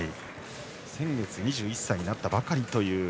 先月２１歳になったばかりという。